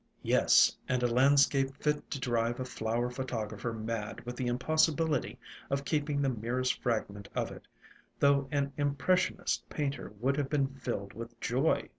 Yes, and a landscape fit to drive a flower pho tographer mad with the impossibility of keeping the merest fragment of it, though an impressionist painter would have been filled with joy.